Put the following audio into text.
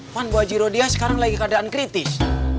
kan bu haji rodia sekarang lagi keadaan kritis